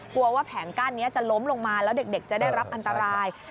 กลัวว่าแผงกั้นนี้จะล้มลงมาแล้วเด็กจะได้รับอันตราย